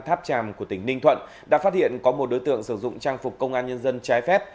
tháp tràm của tỉnh ninh thuận đã phát hiện có một đối tượng sử dụng trang phục công an nhân dân trái phép